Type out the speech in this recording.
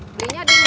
belinya ada di sini